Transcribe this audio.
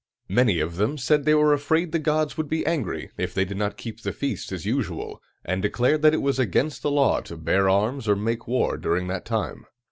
Many of them said they were afraid the gods would be angry if they did not keep the feast as usual, and declared that it was against the law to bear arms or make war during that time.